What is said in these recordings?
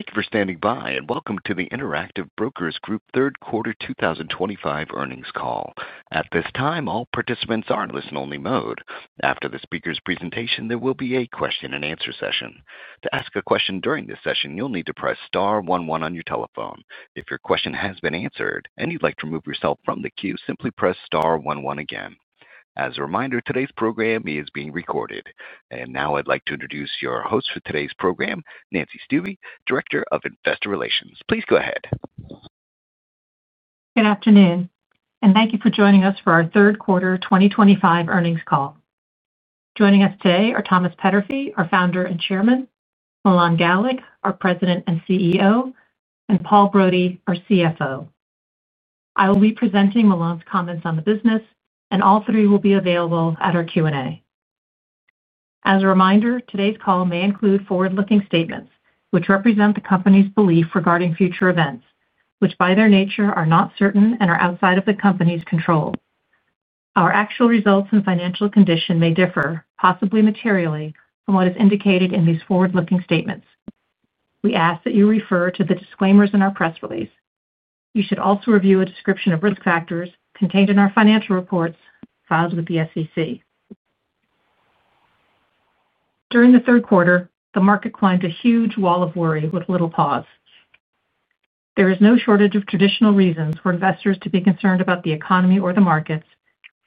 Thank you for standing by and welcome to the Interactive Brokers Group third quarter 2025 earnings call. At this time, all participants are in listen-only mode. After the speaker's presentation, there will be a question and answer session. To ask a question during this session, you'll need to press star one-one on your telephone. If your question has been answered and you'd like to remove yourself from the queue, simply press star one-one again. As a reminder, today's program is being recorded. Now I'd like to introduce your host for today's program, Nancy Stuebe, Director of Investor Relations. Please go ahead. Good afternoon, and thank you for joining us for our third quarter 2025 earnings call. Joining us today are Thomas Peterffy, our Founder and Chairman, Milan Galik, our President and CEO, and Paul Brody, our CFO. I will be presenting Milan's comments on the business, and all three will be available at our Q&A. As a reminder, today's call may include forward-looking statements, which represent the company's belief regarding future events, which by their nature are not certain and are outside of the company's control. Our actual results and financial condition may differ, possibly materially, from what is indicated in these forward-looking statements. We ask that you refer to the disclaimers in our press release. You should also review a description of risk factors contained in our financial reports filed with the SEC. During the third quarter, the market climbed a huge wall of worry with little pause. There is no shortage of traditional reasons for investors to be concerned about the economy or the markets,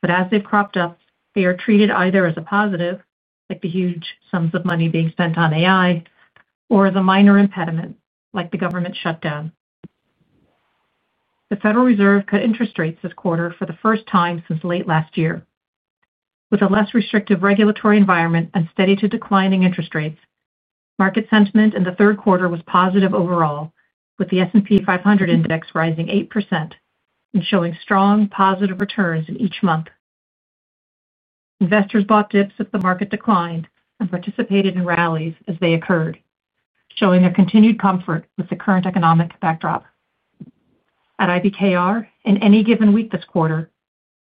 but as they've cropped up, they are treated either as a positive, like the huge sums of money being spent on AI, or as a minor impediment, like the government shutdown. The Federal Reserve cut interest rates this quarter for the first time since late last year. With a less restrictive regulatory environment and steady to declining interest rates, market sentiment in the third quarter was positive overall, with the S&P 500 index rising 8% and showing strong positive returns in each month. Investors bought dips as the market declined and participated in rallies as they occurred, showing their continued comfort with the current economic backdrop. At IBKR, in any given week this quarter,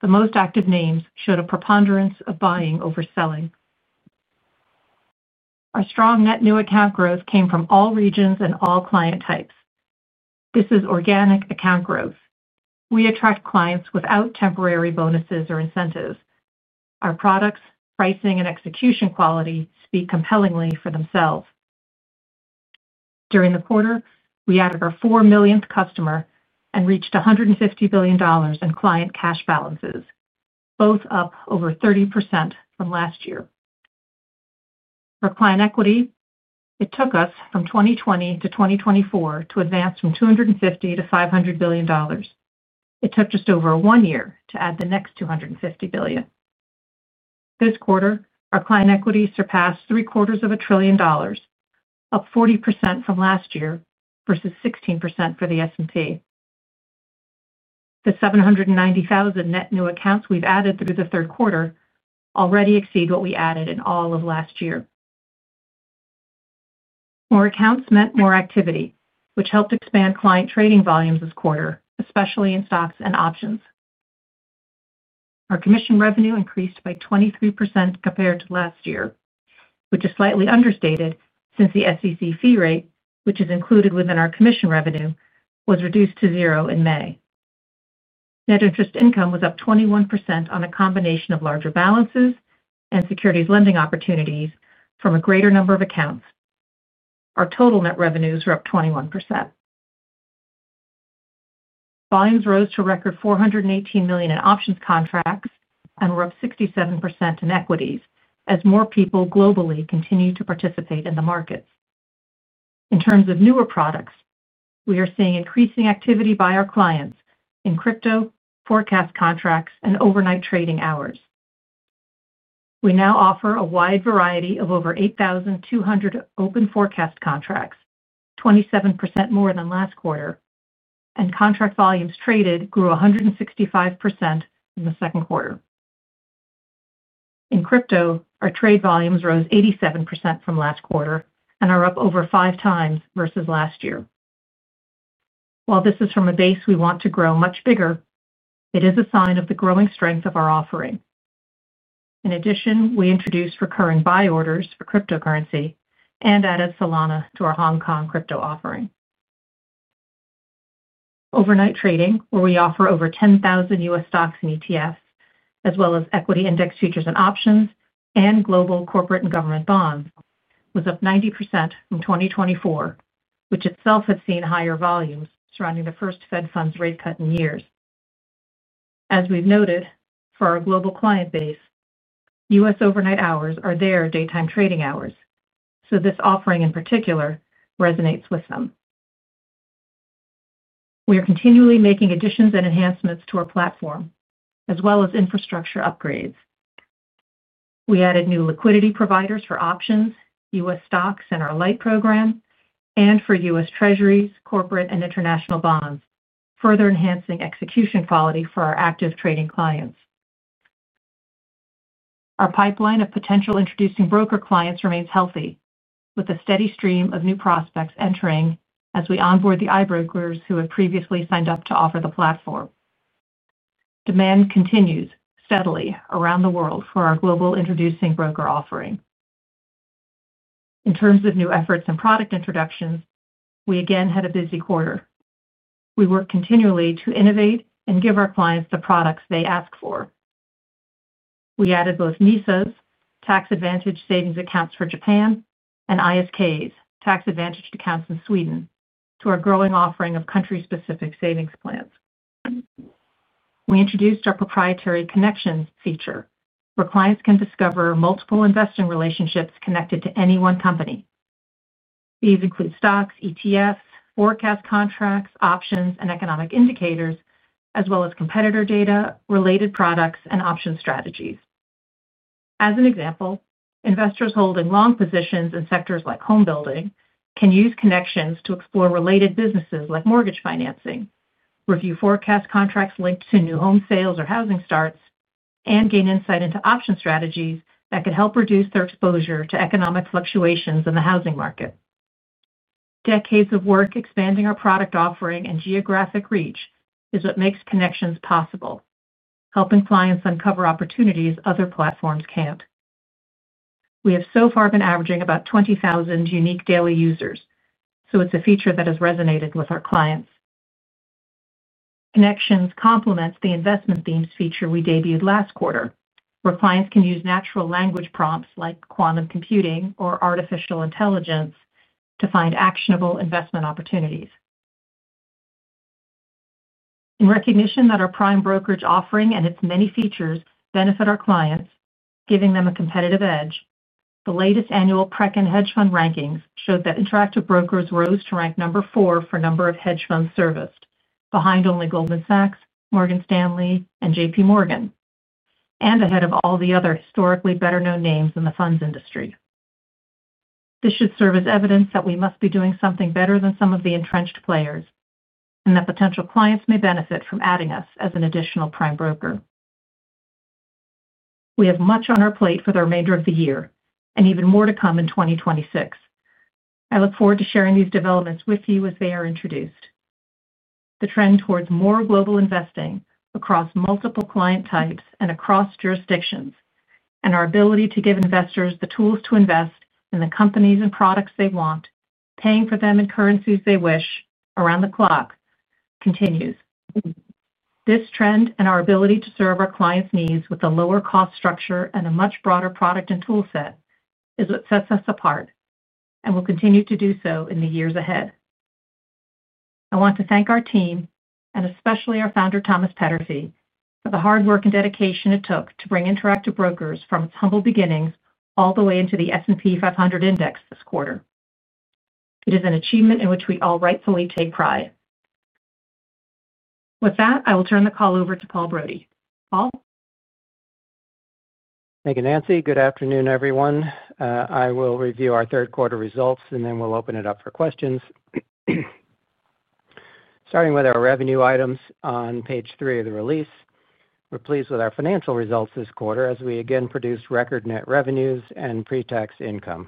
the most active names showed a preponderance of buying over selling. Our strong net new account growth came from all regions and all client types. This is organic account growth. We attract clients without temporary bonuses or incentives. Our products, pricing, and execution quality speak compellingly for themselves. During the quarter, we added our four millionth customer and reached $150 billion in client cash balances, both up over 30% from last year. For client equity, it took us from 2020 to 2024 to advance from $250 billion to $500 billion. It took just over one year to add the next $250 billion. This quarter, our client equity surpassed three quarters of $1 trillion dollars, up 40% from last year versus 16% for the S&P. The 790,000 net new accounts we've added through the third quarter already exceed what we added in all of last year. More accounts meant more activity, which helped expand client trading volumes this quarter, especially in stocks and options. Our commission revenue increased by 23% compared to last year, which is slightly understated since the SEC fee rate, which is included within our commission revenue, was reduced to zero in May. Net interest income was up 21% on a combination of larger balances and securities lending opportunities from a greater number of accounts. Our total net revenues were up 21%. Volumes rose to a record $418 million in options contracts and were up 67% in equities as more people globally continue to participate in the markets. In terms of newer products, we are seeing increasing activity by our clients in crypto, forecast contracts, and overnight trading hours. We now offer a wide variety of over 8,200 open forecast contracts, 27% more than last quarter, and contract volumes traded grew 165% in the second quarter. In crypto, our trade volumes rose 87% from last quarter and are up over 5x versus last year. While this is from a base we want to grow much bigger, it is a sign of the growing strength of our offering. In addition, we introduced recurring buy orders for cryptocurrency and added Solana to our Hong Kong crypto offering. Overnight trading, where we offer over 10,000 U.S. stocks and ETFs, as well as equity index futures and options, and global corporate and government bonds, was up 90% from 2024, which itself had seen higher volumes surrounding the first Fed funds rate cut in years. As we've noted for our global client base, U.S. overnight hours are their daytime trading hours, so this offering in particular resonates with them. We are continually making additions and enhancements to our platform, as well as infrastructure upgrades. We added new liquidity providers for options, U.S. stocks, and our light program, and for U.S. treasuries, corporate, and international bonds, further enhancing execution quality for our active trading clients. Our pipeline of potential introducing broker clients remains healthy, with a steady stream of new prospects entering as we onboard the IBrokers who have previously signed up to offer the platform. Demand continues steadily around the world for our global introducing broker offering. In terms of new efforts and product introductions, we again had a busy quarter. We work continually to innovate and give our clients the products they ask for. We added both NISAs, tax-advantaged savings accounts for Japan, and ISKs, tax-advantaged accounts in Sweden, to our growing offering of country-specific savings plans. We introduced our proprietary connections feature, where clients can discover multiple investing relationships connected to any one company. These include stocks, ETFs, forecast contracts, options, and economic indicators, as well as competitor data, related products, and option strategies. As an example, investors holding long positions in sectors like home building can use connections to explore related businesses like mortgage financing, review forecast contracts linked to new home sales or housing starts, and gain insight into option strategies that could help reduce their exposure to economic fluctuations in the housing market. Decades of work expanding our product offering and geographic reach is what makes connections possible, helping clients uncover opportunities other platforms can't. We have so far been averaging about 20,000 unique daily users, so it's a feature that has resonated with our clients. Connections complements the investment themes feature we debuted last quarter, where clients can use natural language prompts like quantum computing or artificial intelligence to find actionable investment opportunities. In recognition that our prime brokerage offering and its many features benefit our clients, giving them a competitive edge, the latest annual Preqin Hedge Fund rankings showed that Interactive Brokers rose to rank number four for a number of hedge funds serviced, behind only Goldman Sachs, Morgan Stanley, and JPMorgan, and ahead of all the other historically better-known names in the funds industry. This should serve as evidence that we must be doing something better than some of the entrenched players, and that potential clients may benefit from adding us as an additional prime broker. We have much on our plate for the remainder of the year, and even more to come in 2026. I look forward to sharing these developments with you as they are introduced. The trend towards more global investing across multiple client types and across jurisdictions, and our ability to give investors the tools to invest in the companies and products they want, paying for them in currencies they wish, around the clock continues. This trend and our ability to serve our clients' needs with a lower cost structure and a much broader product and toolset is what sets us apart, and will continue to do so in the years ahead. I want to thank our team, and especially our founder Thomas Peterffy, for the hard work and dedication it took to bring Interactive Brokers from its humble beginnings all the way into the S&P 500 index this quarter. It is an achievement in which we all rightfully take pride. With that, I will turn the call over to Paul Brody. Paul? Thank you, Nancy. Good afternoon, everyone. I will review our third quarter results, and then we'll open it up for questions. Starting with our revenue items on page three of the release, we're pleased with our financial results this quarter as we again produced record net revenues and pre-tax income.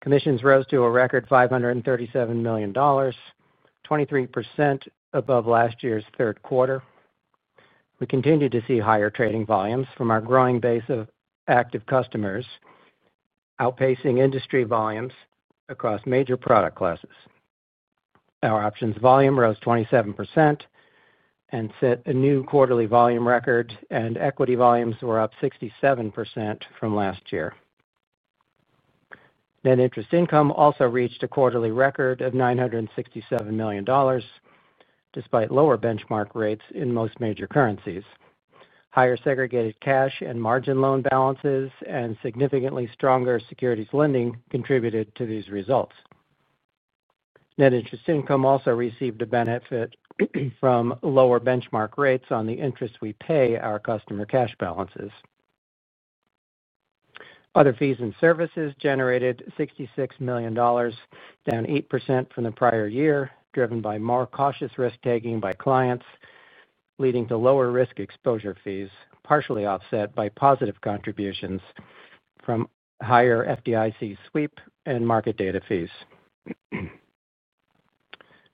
Commissions rose to a record $537 million, 23% above last year's third quarter. We continue to see higher trading volumes from our growing base of active customers, outpacing industry volumes across major product classes. Our options volume rose 27% and set a new quarterly volume record, and equity volumes were up 67% from last year. Net interest income also reached a quarterly record of $967 million, despite lower benchmark rates in most major currencies. Higher segregated cash and margin loan balances and significantly stronger securities lending contributed to these results. Net interest income also received a benefit from lower benchmark rates on the interest we pay our customer cash balances. Other fees and services generated $66 million, down 8% from the prior year, driven by more cautious risk-taking by clients, leading to lower risk exposure fees, partially offset by positive contributions from higher FDIC sweep and market data fees.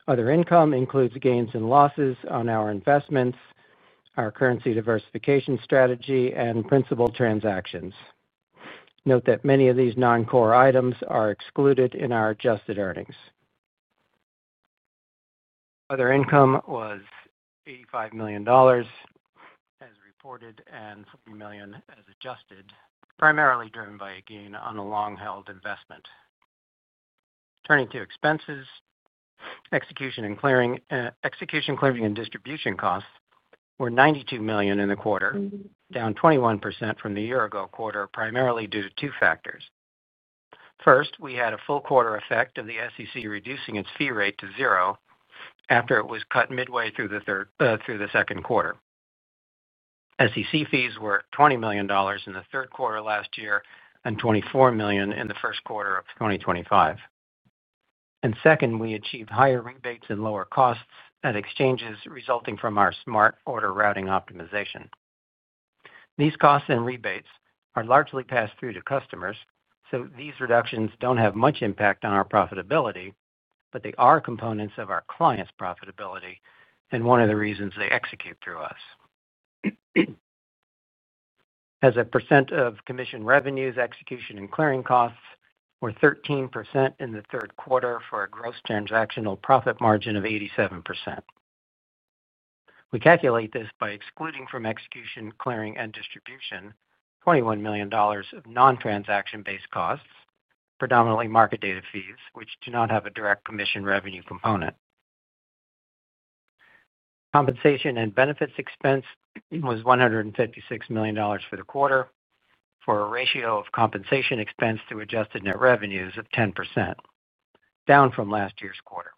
Other income includes gains and losses on our investments, our currency diversification strategy, and principal transactions. Note that many of these non-core items are excluded in our adjusted earnings. Other income was $85 million as reported and $70 million as adjusted, primarily driven by a gain on a long-held investment. Turning to expenses, execution, clearing, and distribution costs were $92 million in the quarter, down 21% from the year-ago quarter, primarily due to two factors. First, we had a full quarter effect of the SEC reducing its fee rate to zero after it was cut midway through the second quarter. SEC fees were $20 million in the third quarter last year and $24 million in the first quarter of 2025. Second, we achieved higher rebates and lower costs at exchanges, resulting from our smart order routing optimization. These costs and rebates are largely passed through to customers, so these reductions don't have much impact on our profitability, but they are components of our clients' profitability and one of the reasons they execute through us. As a percent of commission revenues, execution and clearing costs were 13% in the third quarter for a gross transactional profit margin of 87%. We calculate this by excluding from execution, clearing, and distribution $21 million of non-transaction-based costs, predominantly market data fees, which do not have a direct commission revenue component. Compensation and benefits expense was $156 million for the quarter, for a ratio of compensation expense to adjusted net revenues of 10%, down from last year's quarter.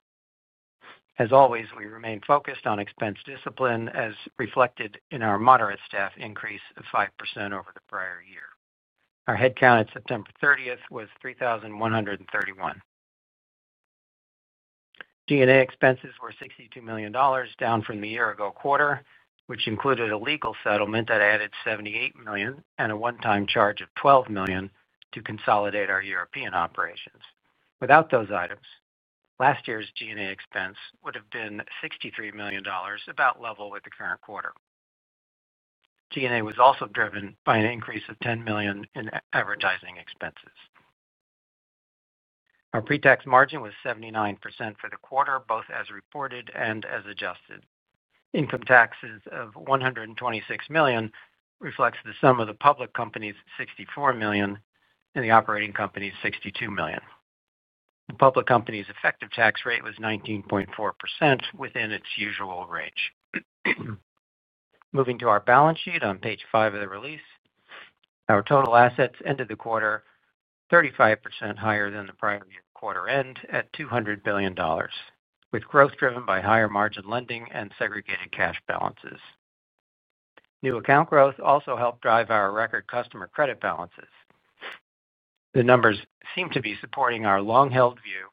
As always, we remain focused on expense discipline, as reflected in our moderate staff increase of 5% over the prior year. Our headcount at September 30th was 3,131. G&A expenses were $62 million, down from the year-ago quarter, which included a legal settlement that added $78 million and a one-time charge of $12 million to consolidate our European operations. Without those items, last year's G&A expense would have been $63 million, about level with the current quarter. G&A was also driven by an increase of $10 million in advertising expenses. Our pre-tax margin was 79% for the quarter, both as reported and as adjusted. Income taxes of $126 million reflect the sum of the public company's $64 million and the operating company's $62 million. The public company's effective tax rate was 19.4%, within its usual range. Moving to our balance sheet on page five of the release, our total assets ended the quarter 35% higher than the prior year quarter end at $200 billion, with growth driven by higher margin lending and segregated cash balances. New account growth also helped drive our record customer credit balances. The numbers seem to be supporting our long-held view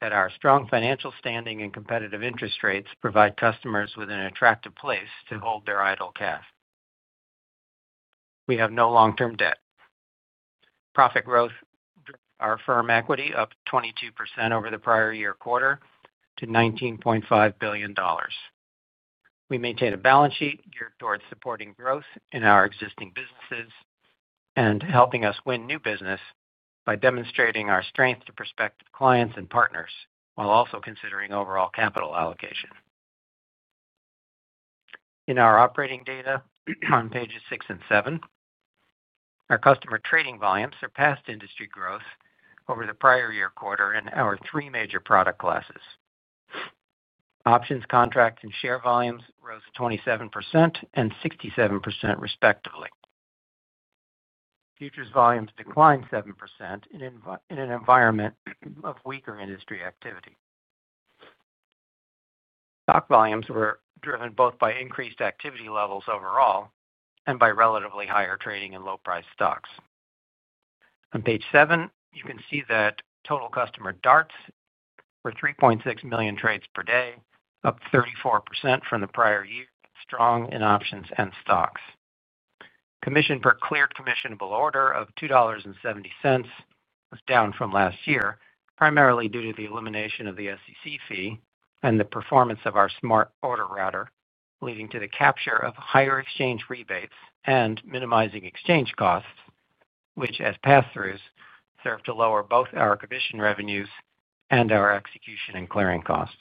that our strong financial standing and competitive interest rates provide customers with an attractive place to hold their idle cash. We have no long-term debt. Profit growth driven our firm equity up 22% over the prior year quarter to $19.5 billion. We maintain a balance sheet geared towards supporting growth in our existing businesses and helping us win new business by demonstrating our strength to prospective clients and partners, while also considering overall capital allocation. In our operating data on pages six and seven, our customer trading volumes surpassed industry growth over the prior year quarter in our three major product classes. Options contract and share volumes rose 27% and 67% respectively. Futures volumes declined 7% in an environment of weaker industry activity. Stock volumes were driven both by increased activity levels overall and by relatively higher trading in low-priced stocks. On page seven, you can see that total customer DARTs were 3.6 million trades per day, up 34% from the prior year, strong in options and stocks. Commission per cleared commissionable order of $2.70 was down from last year, primarily due to the elimination of the SEC fee and the performance of our smart order router, leading to the capture of higher exchange rebates and minimizing exchange costs, which as pass-throughs served to lower both our commission revenues and our execution and clearing costs.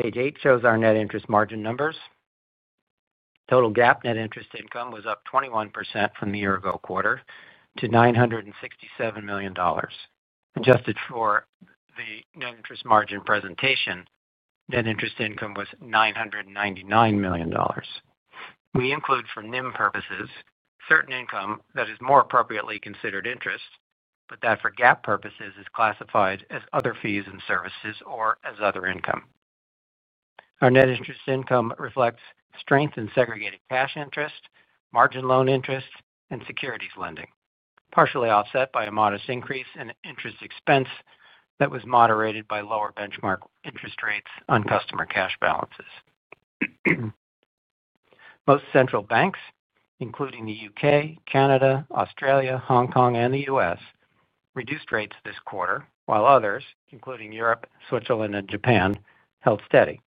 Page eight shows our net interest margin numbers. Total GAAP net interest income was up 21% from the year-ago quarter to $967 million. Adjusted for the net interest margin presentation, net interest income was $999 million. We include for NIM purposes certain income that is more appropriately considered interest, but that for GAAP purposes is classified as other fees and services or as other income. Our net interest income reflects strength in segregated cash interest, margin loan interest, and securities lending, partially offset by a modest increase in interest expense that was moderated by lower benchmark interest rates on customer cash balances. Most central banks, including the U.K., Canada, Australia, Hong Kong, and the U.S., reduced rates this quarter, while others, including Europe, Switzerland, and Japan, held steady.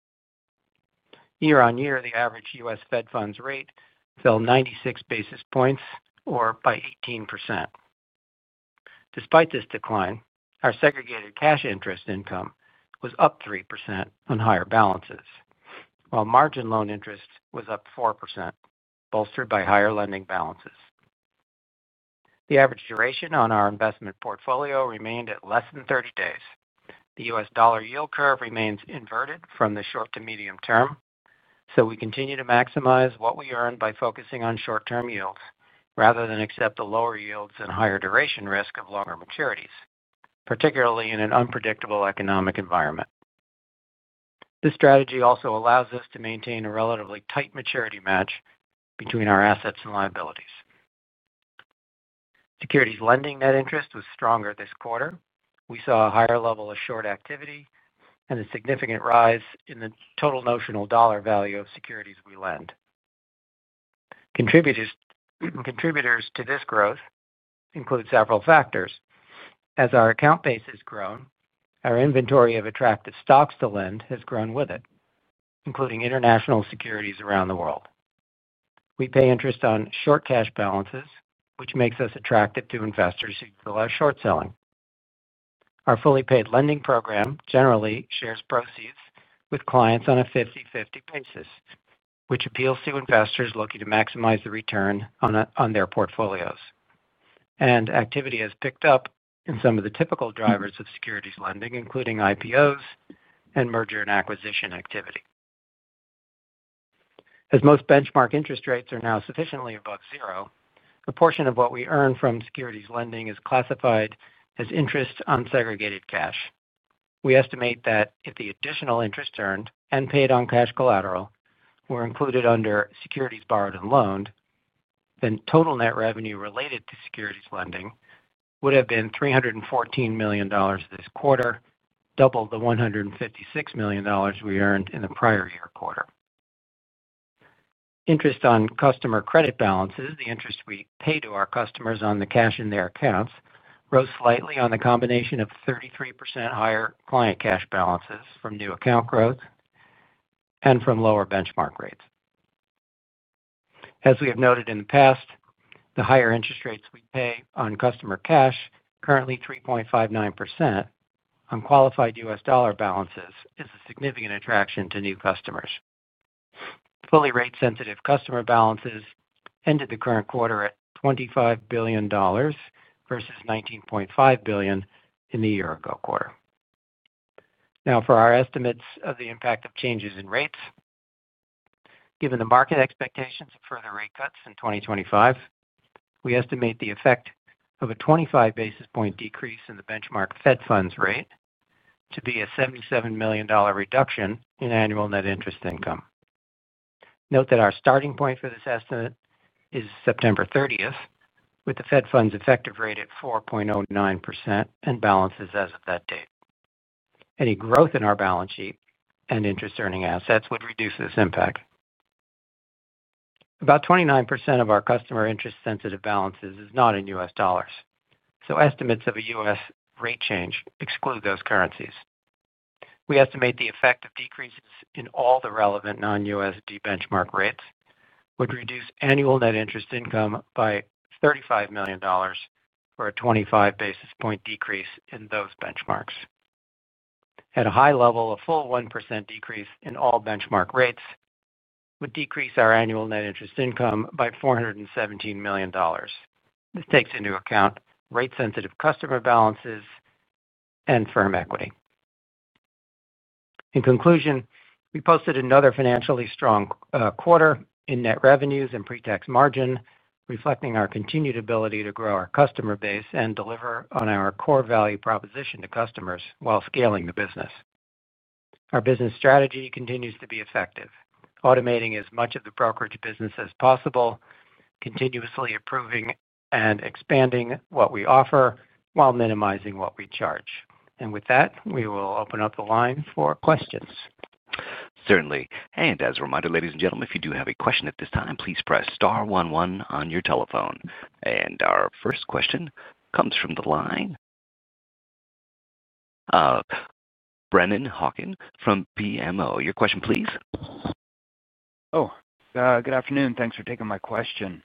Year-on-year, the average U.S. Fed funds rate fell 96 basis points or by 18%. Despite this decline, our segregated cash interest income was up 3% on higher balances, while margin loan interest was up 4%, bolstered by higher lending balances. The average duration on our investment portfolio remained at less than 30 days. The U.S. dollar yield curve remains inverted from the short to medium term, so we continue to maximize what we earn by focusing on short-term yields rather than accept the lower yields and higher duration risk of longer maturities, particularly in an unpredictable economic environment. This strategy also allows us to maintain a relatively tight maturity match between our assets and liabilities. Securities lending net interest was stronger this quarter. We saw a higher level of short activity and a significant rise in the total notional dollar value of securities we lend. Contributors to this growth include several factors. As our account base has grown, our inventory of attractive stocks to lend has grown with it, including international securities around the world. We pay interest on short cash balances, which makes us attractive to investors who utilize short selling. Our fully paid lending program generally shares proceeds with clients on a 50/50 basis, which appeals to investors looking to maximize the return on their portfolios. Activity has picked up in some of the typical drivers of securities lending, including IPOs and merger and acquisition activity. As most benchmark interest rates are now sufficiently above zero, a portion of what we earn from securities lending is classified as interest on segregated cash. We estimate that if the additional interest earned and paid on cash collateral were included under securities borrowed and loaned, then total net revenue related to securities lending would have been $314 million this quarter, double the $156 million we earned in the prior year quarter. Interest on customer credit balances, the interest we pay to our customers on the cash in their accounts, rose slightly on the combination of 33% higher client cash balances from new account growth and from lower benchmark rates. As we have noted in the past, the higher interest rates we pay on customer cash, currently 3.59% on qualified U.S. dollar balances, is a significant attraction to new customers. Fully rate-sensitive customer balances ended the current quarter at $25 billion versus $19.5 billion in the year-ago quarter. Now, for our estimates of the impact of changes in rates, given the market expectations of further rate cuts in 2025, we estimate the effect of a 25 basis point decrease in the benchmark Fed funds rate to be a $77 million reduction in annual net interest income. Note that our starting point for this estimate is September 30th, with the Fed funds effective rate at 4.09% and balances as of that date. Any growth in our balance sheet and interest earning assets would reduce this impact. About 29% of our customer interest-sensitive balances is not in U.S. dollars, so estimates of a U.S. rate change exclude those currencies. We estimate the effect of decreases in all the relevant non-USD benchmark rates would reduce annual net interest income by $35 million for a 25 basis point decrease in those benchmarks. At a high level, a full 1% decrease in all benchmark rates would decrease our annual net interest income by $417 million. This takes into account rate-sensitive customer balances and firm equity. In conclusion, we posted another financially strong quarter in net revenues and pre-tax margin, reflecting our continued ability to grow our customer base and deliver on our core value proposition to customers while scaling the business. Our business strategy continues to be effective, automating as much of the brokerage business as possible, continuously improving and expanding what we offer while minimizing what we charge. With that, we will open up the line for questions. Certainly. As a reminder, ladies and gentlemen, if you do have a question at this time, please press star one-one on your telephone. Our first question comes from the line of Brennan Hawken from BMO. Your question, please. Oh, good afternoon. Thanks for taking my question.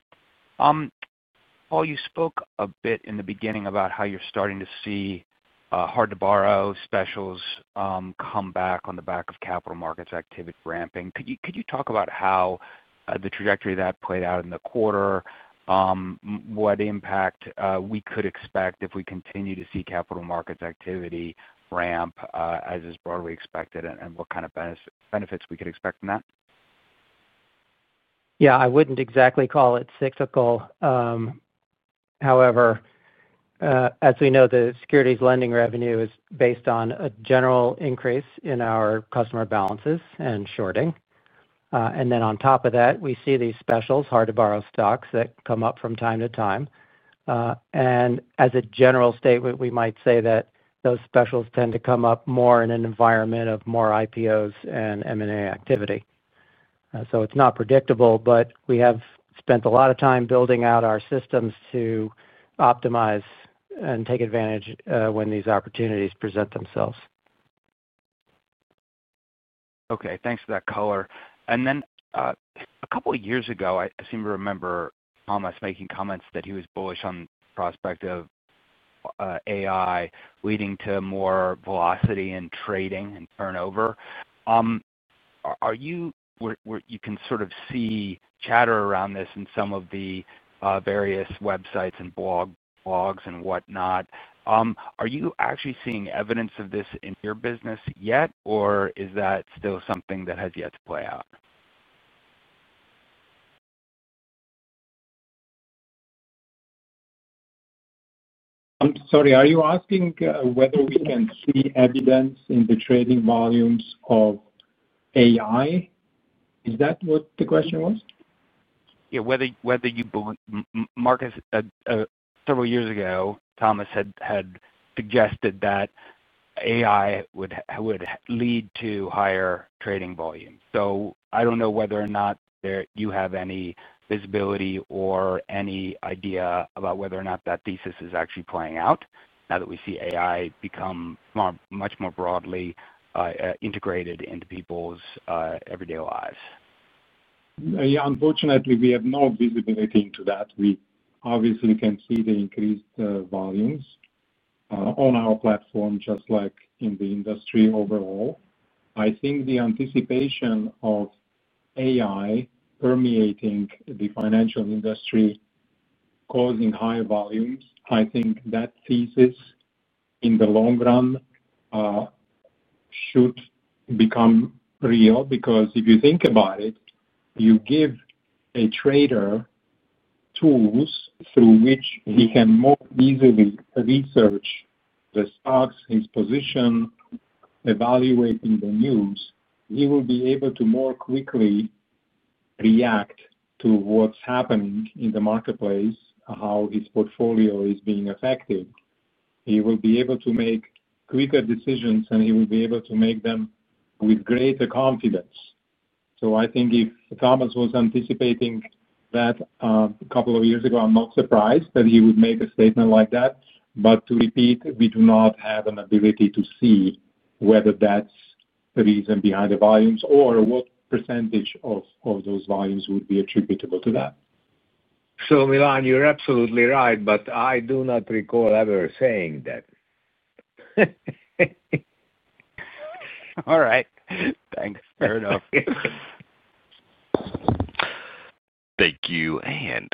Paul, you spoke a bit in the beginning about how you're starting to see hard-to-borrow specials come back on the back of capital markets activity ramping. Could you talk about how the trajectory of that played out in the quarter, what impact we could expect if we continue to see capital markets activity ramp as is broadly expected, and what kind of benefits we could expect from that? I wouldn't exactly call it cyclical. However, as we know, the securities lending revenue is based on a general increase in our customer balances and shorting. On top of that, we see these specials, hard-to-borrow stocks, that come up from time to time. As a general statement, we might say that those specials tend to come up more in an environment of more IPOs and M&A activity. It's not predictable, but we have spent a lot of time building out our systems to optimize and take advantage when these opportunities present themselves. Okay. Thanks for that color. A couple of years ago, I seem to remember Thomas making comments that he was bullish on the prospect of AI leading to more velocity in trading and turnover. You can sort of see chatter around this in some of the various websites and blogs and whatnot. Are you actually seeing evidence of this in your business yet, or is that still something that has yet to play out? I'm sorry. Are you asking whether we can see evidence in the trading volumes of AI? Is that what the question was? Whether you believe [Milan], several years ago, Thomas had suggested that AI would lead to higher trading volume. I don't know whether or not you have any visibility or any idea about whether or not that thesis is actually playing out now that we see AI become much more broadly integrated into people's everyday lives. Yeah, unfortunately, we have no visibility into that. We obviously can see the increased volumes on our platform, just like in the industry overall. I think the anticipation of AI permeating the financial industry, causing high volumes, I think that thesis in the long run should become real because if you think about it, you give a trader tools through which he can more easily research the stocks, his position, evaluating the news. He will be able to more quickly react to what's happening in the marketplace, how his portfolio is being affected. He will be able to make quicker decisions, and he will be able to make them with greater confidence. I think if Thomas was anticipating that a couple of years ago, I'm not surprised that he would make a statement like that. To repeat, we do not have an ability to see whether that's the reason behind the volumes or what percenatge of those volumes would be attributable to that. Milan, you're absolutely right, but I do not recall ever saying that. All right. Thanks. Fair enough. Thank you.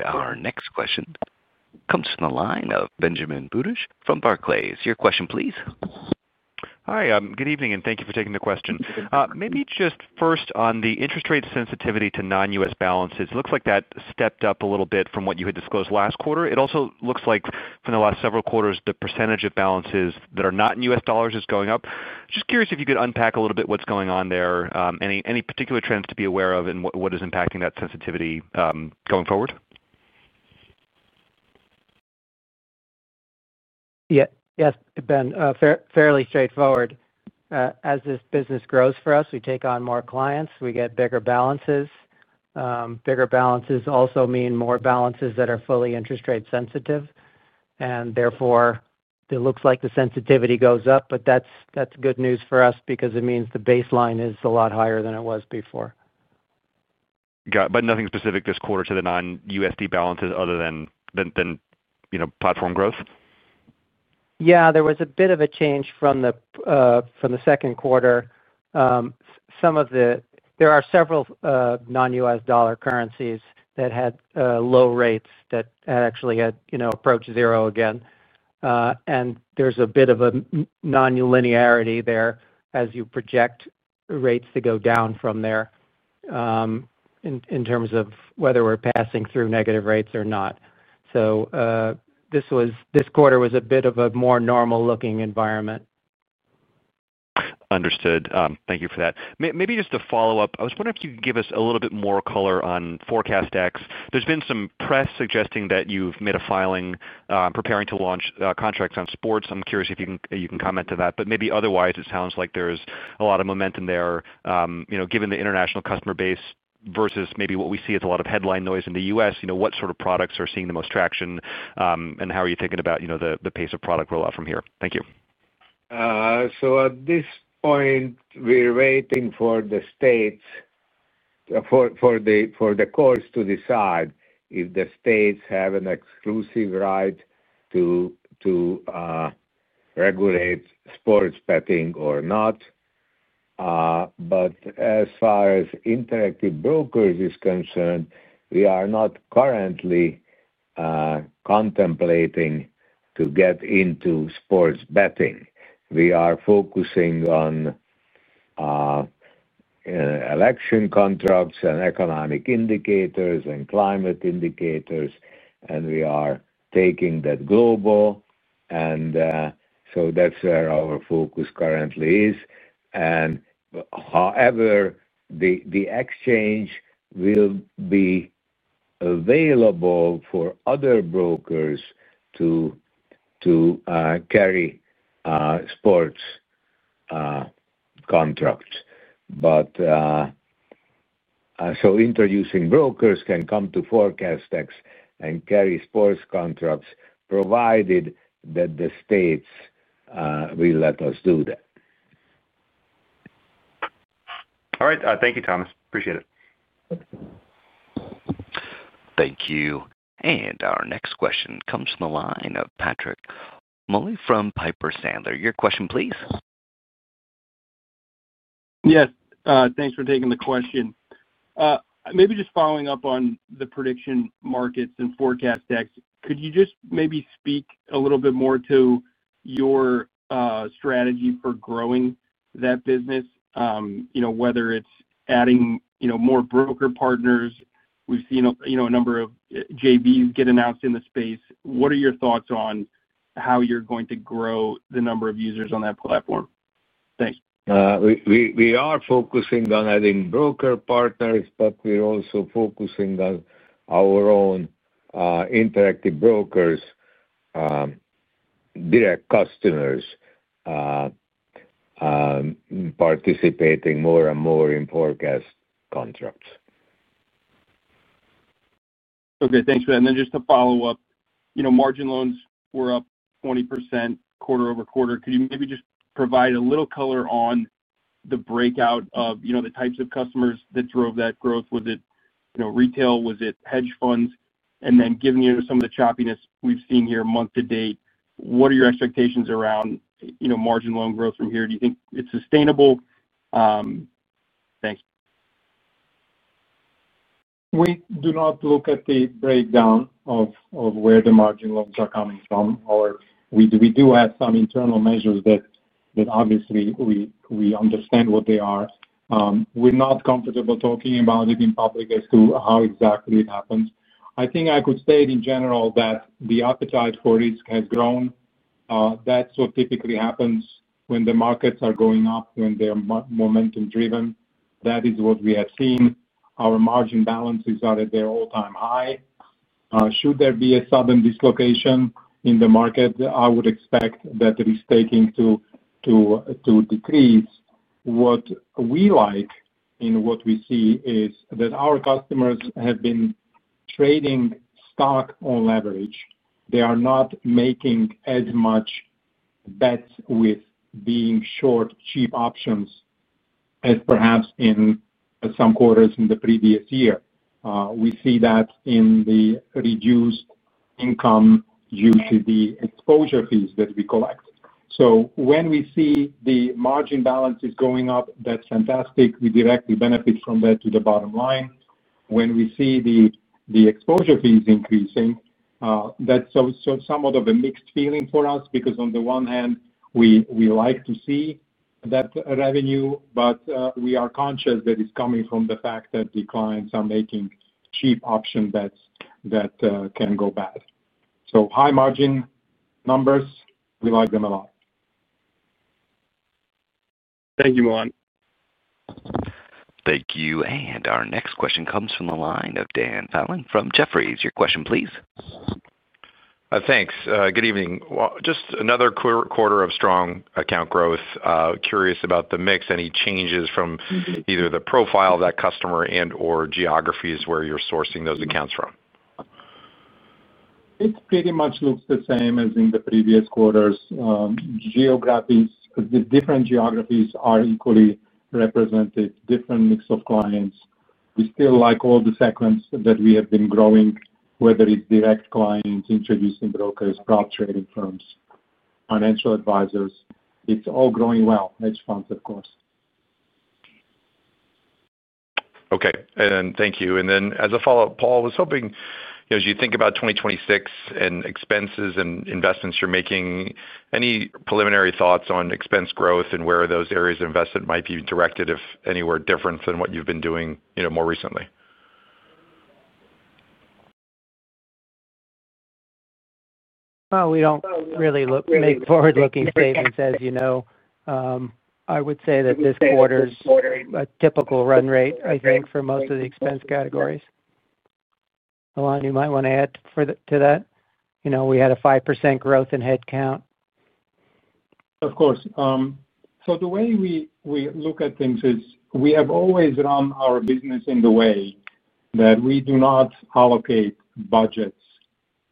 Our next question comes from the line of Benjamin Budish from Barclays. Your question, please. Hi. Good evening, and thank you for taking the question. Maybe just first on the interest rate sensitivity to non-U.S. balances. It looks like that stepped up a little bit from what you had disclosed last quarter. It also looks like for the last several quarters, the percentage of balances that are not in U.S. dollars is going up. Just curious if you could unpack a little bit what's going on there, any particular trends to be aware of, and what is impacting that sensitivity going forward? Yes, it's been fairly straightforward. As this business grows for us, we take on more clients. We get bigger balances. Bigger balances also mean more balances that are fully interest rate sensitive. Therefore, it looks like the sensitivity goes up, but that's good news for us because it means the baseline is a lot higher than it was before. Got it. Nothing specific this quarter to the non-USD balances other than platform growth? Yeah, there was a bit of a change from the second quarter. Some of the, there are several non-U.S. dollar currencies that had low rates that actually had approached zero again. There's a bit of a non-linearity there as you project rates to go down from there in terms of whether we're passing through negative rates or not. This quarter was a bit of a more normal-looking environment. Understood. Thank you for that. Maybe just to follow up, I was wondering if you could give us a little bit more color on forecast contracts. There's been some press suggesting that you've made a filing preparing to launch contracts on sports. I'm curious if you can comment to that. It sounds like there's a lot of momentum there. Given the international customer base versus maybe what we see as a lot of headline noise in the U.S., what sort of products are seeing the most traction, and how are you thinking about the pace of product rollout from here? Thank you. At this point, we're waiting for the courts to decide if the states have an exclusive right to regulate sports betting or not. As far as Interactive Brokers is concerned, we are not currently contemplating to get into sports betting. We are focusing on election contracts and economic indicators and climate indicators, and we are taking that global. That's where our focus currently is. However, the exchange will be available for other brokers to carry sports contracts. Introducing brokers can come to forecast contracts and carry sports contracts provided that the states will let us do that. All right. Thank you, Thomas. Appreciate it. Thank you. Our next question comes from the line of Patrick Moley from Piper Sandler. Your question, please. Yes. Thanks for taking the question. Maybe just following up on the prediction markets and forecast contracts, could you just maybe speak a little bit more to your strategy for growing that business, you know whether it's adding more broker partners? We've seen a number of JVs get announced in the space. What are your thoughts on how you're going to grow the number of users on that platform? Thanks. We are focusing on adding broker partners, but we're also focusing on our own Interactive Brokers direct customers participating more and more in forecast contracts. Okay. Thanks for that. Just to follow up, margin loans were up 20% quarter over quarter. Could you maybe just provide a little color on the breakout of the types of customers that drove that growth? Was it retail? Was it hedge funds? Given some of the choppiness we've seen here month to date, what are your expectations around margin loan growth from here? Do you think it's sustainable? Thanks. We do not look at the breakdown of where the margin loans are coming from, or we do have some internal measures that obviously we understand what they are. We're not comfortable talking about it in public as to how exactly it happens. I think I could state in general that the appetite for risk has grown. That's what typically happens when the markets are going up, when they're momentum-driven. That is what we have seen. Our margin balances are at their all-time high. Should there be a sudden dislocation in the market, I would expect that risk-taking to decrease. What we like in what we see is that our customers have been trading stock on leverage. They are not making as much bets with being short cheap options as perhaps in some quarters in the previous year. We see that in the reduced income due to the exposure fees that we collect. When we see the margin balances going up, that's fantastic. We directly benefit from that to the bottom line. When we see the exposure fees increasing, that's somewhat of a mixed feeling for us because on the one hand, we like to see that revenue, but we are conscious that it's coming from the fact that the clients are making cheap option bets that can go bad. High margin numbers, we like them a lot. Thank you, Milan. Thank you. Our next question comes from the line of Dan Fannon from Jefferies. Your question, please. Thanks. Good evening. Just another quarter of strong account growth. Curious about the mix. Any changes from either the profile of that customer and/or geographies where you're sourcing those accounts from? It pretty much looks the same as in the previous quarters. The different geographies are equally represented, different mix of clients. We still like all the segments that we have been growing, whether it's direct clients, introducing brokers, prop trading firms, financial advisors. It's all growing well. Hedge funds, of course. Thank you. As a follow-up, Paul, I was hoping, you know, as you think about 2026 and expenses and investments you're making, any preliminary thoughts on expense growth and where those areas of investment might be directed if anywhere different than what you've been doing more recently? We don't really make forward-looking statements, as you know. I would say that this quarter's a typical run rate, I think, for most of the expense categories. Milan, you might want to add to that. You know, we had a 5% growth in headcount. Of course. The way we look at things is we have always run our business in the way that we do not allocate budgets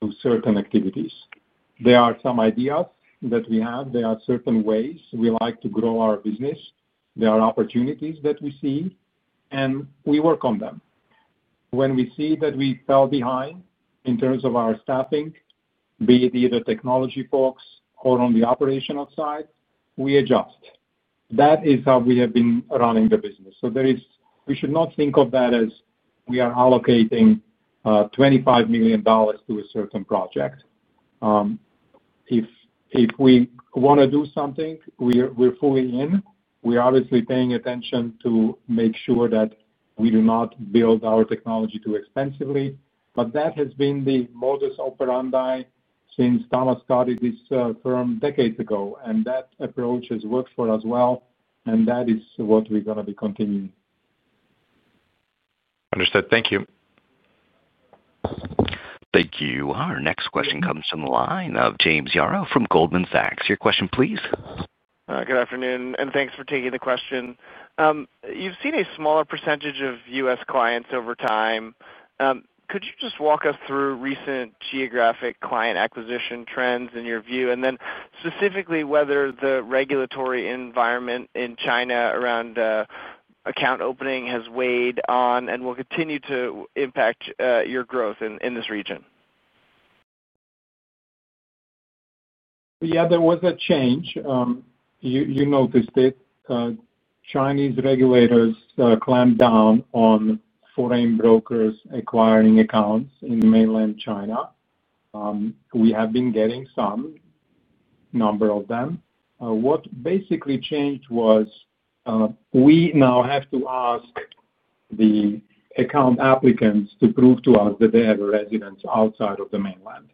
to certain activities. There are some ideas that we have. There are certain ways we like to grow our business. There are opportunities that we see, and we work on them. When we see that we fell behind in terms of our staffing, be it either technology folks or on the operational side, we adjust. That is how we have been running the business. We should not think of that as we are allocating $25 million to a certain project. If we want to do something, we're fully in. We're obviously paying attention to make sure that we do not build our technology too expensively. That has been the modus operandi since Thomas started this firm decades ago. That approach has worked for us well, and that is what we're going to be continuing. Understood. Thank you. Thank you. Our next question comes from the line of James Yaro from Goldman Sachs. Your question, please. Good afternoon, and thanks for taking the question. You've seen a smaller percentage of U.S. clients over time. Could you just walk us through recent geographic client acquisition trends in your view, and then specifically whether the regulatory environment in China around account opening has weighed on and will continue to impact your growth in this region? Yeah, there was a change. You noticed it. Chinese regulators clamped down on foreign brokers acquiring accounts in mainland China. We have been getting some, a number of them. What basically changed was we now have to ask the account applicants to prove to us that they have a residence outside of the mainland.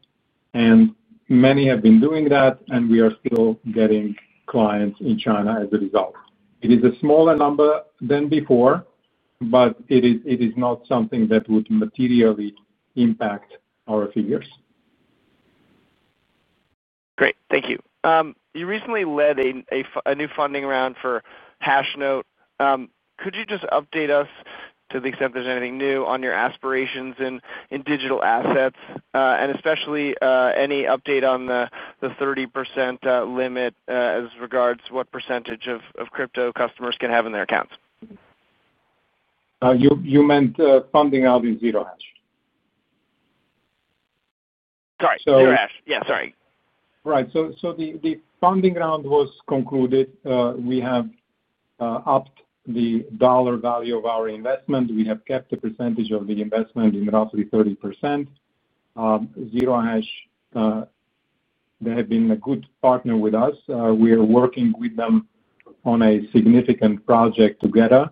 Many have been doing that, and we are still getting clients in China as a result. It is a smaller number than before, but it is not something that would materially impact our figures. Great. Thank you. You recently led a new funding round for [Hashnote]. Could you just update us to the extent there's anything new on your aspirations in digital assets, and especially any update on the 30% limit as regards to what percentage of crypto customers can have in their accounts? You meant funding out in Zero Hash? Sorry. Zero Hash. Yeah, sorry. Right. The funding round was concluded. We have upped the dollar value of our investment. We have kept a percentage of the investment at roughly 30%. Zero Hash, they have been a good partner with us. We are working with them on a significant project together.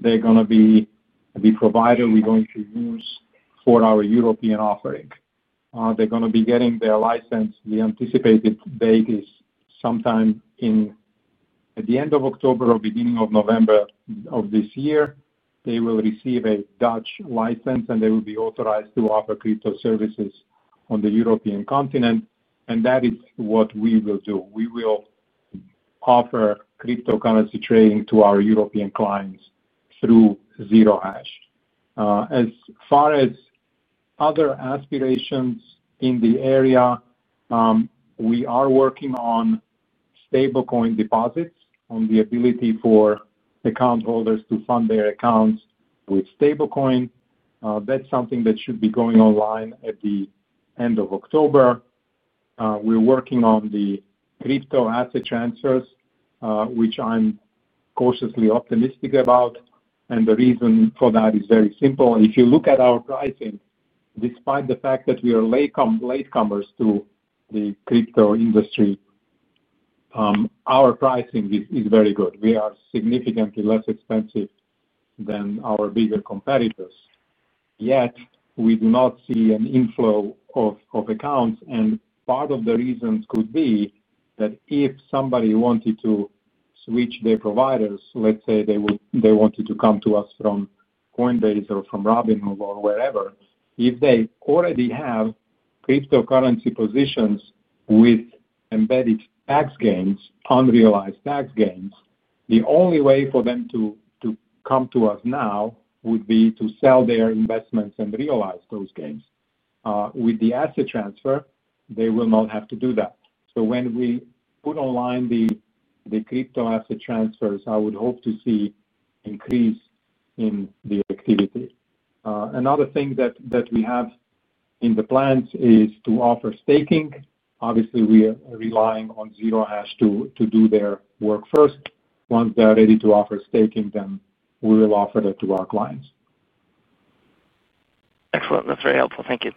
They are going to be the provider we are going to use for our European offering. They are going to be getting their license. The anticipated date is sometime at the end of October or beginning of November of this year. They will receive a Dutch license, and they will be authorized to offer crypto services on the European continent. That is what we will do. We will offer cryptocurrency trading to our European clients through Zero Hash. As far as other aspirations in the area, we are working on stablecoin deposits, on the ability for account holders to fund their accounts with stablecoin. That is something that should be going online at the end of October. We are working on the crypto asset transfers, which I am cautiously optimistic about. The reason for that is very simple. If you look at our pricing, despite the fact that we are latecomers to the crypto industry, our pricing is very good. We are significantly less expensive than our bigger competitors. Yet, we do not see an inflow of accounts. Part of the reasons could be that if somebody wanted to switch their providers, let's say they wanted to come to us from Coinbase or from Robinhood or wherever, if they already have cryptocurrency positions with embedded tax gains, unrealized tax gains, the only way for them to come to us now would be to sell their investments and realize those gains. With the asset transfer, they will not have to do that. When we put online the crypto asset transfers, I would hope to see an increase in the activity. Another thing that we have in the plans is to offer staking. Obviously, we are relying on Zero Hash to do their work first. Once they are ready to offer staking, then we will offer that to our clients. Excellent. That's very helpful. Thank you.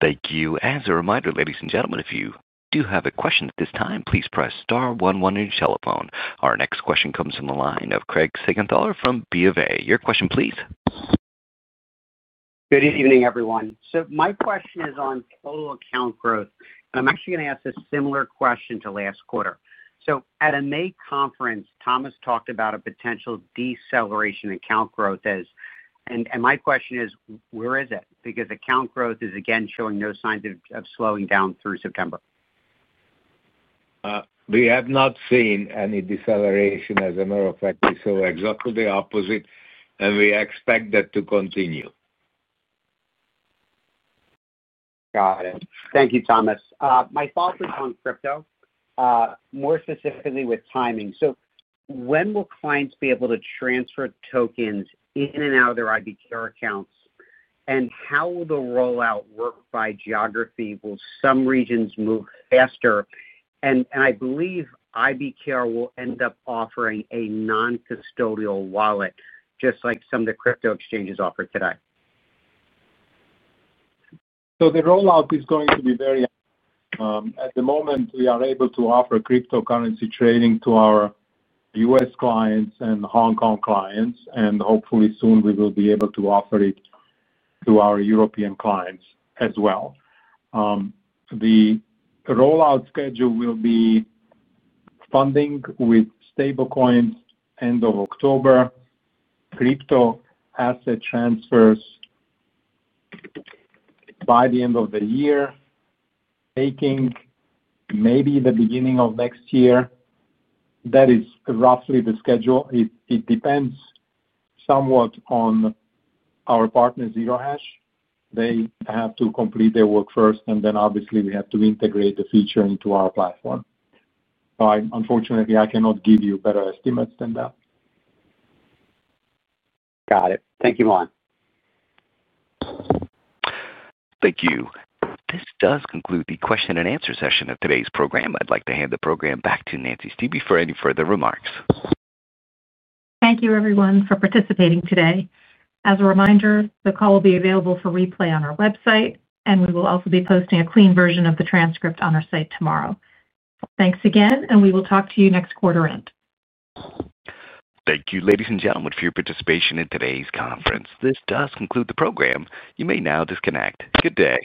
Thank you. As a reminder, ladies and gentlemen, if you do have a question at this time, please press star one-one on your telephone. Our next question comes from the line of Craig Siegenthaler from BofA. Your question, please. Good evening, everyone. My question is on total account growth. I'm actually going to ask a similar question to last quarter. At a May conference, Thomas talked about a potential deceleration in account growth. My question is, where is it? Account growth is again showing no signs of slowing down through September. We have not seen any deceleration. As a matter of fact, we saw exactly the opposite, and we expect that to continue. Got it. Thank you, Thomas. My thoughts are on crypto, more specifically with timing. When will clients be able to transfer tokens in and out of their IBKR accounts? How will the rollout work by geography? Will some regions move faster? I believe IBKR will end up offering a non-custodial wallet, just like some of the crypto exchanges offer today. The rollout is going to be very at the moment. We are able to offer crypto trading to our U.S. clients and Hong Kong clients. Hopefully, soon we will be able to offer it to our European clients as well. The rollout schedule will be funding with stablecoins end of October, crypto asset transfers by the end of the year, staking maybe the beginning of next year. That is roughly the schedule. It depends somewhat on our partner, Zero Hash. They have to complete their work first, and then obviously we have to integrate the feature into our platform. Unfortunately, I cannot give you better estimates than that. Got it. Thank you, Milan. Thank you. This does conclude the question and answer session of today's program. I'd like to hand the program back to Nancy Stuebe for any further remarks. Thank you, everyone, for participating today. As a reminder, the call will be available for replay on our website, and we will also be posting a clean version of the transcript on our site tomorrow. Thanks again, and we will talk to you next quarter end. Thank you, ladies and gentlemen, for your participation in today's conference. This does conclude the program. You may now disconnect. Good day.